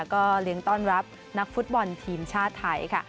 ก็เลี้ยงต้อนรับนักฟุตบอลทีมชาติไทยค่ะ